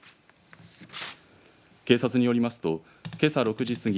警察によりますとけさ６時過ぎ